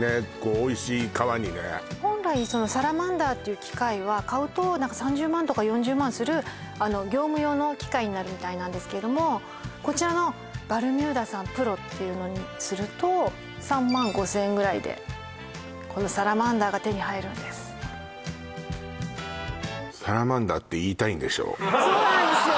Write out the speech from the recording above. おいしい皮にね本来サラマンダーっていう機械は買うと何か３０万とか４０万する業務用の機械になるみたいなんですけれどもこちらのバルミューダさんＰｒｏっていうのにすると３万５０００円ぐらいでこのサラマンダーが手に入るんですそうなんですよ